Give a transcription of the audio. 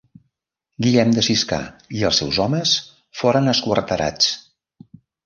Guillem de Siscar i els seus homes foren esquarterats.